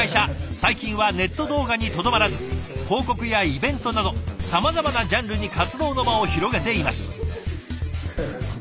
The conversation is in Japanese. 最近はネット動画にとどまらず広告やイベントなどさまざまなジャンルに活動の場を広げています。